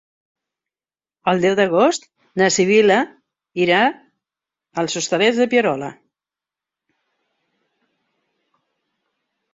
El deu d'agost na Sibil·la irà als Hostalets de Pierola.